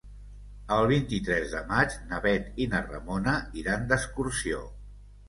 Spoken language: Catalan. El vint-i-tres de maig na Bet i na Ramona iran d'excursió.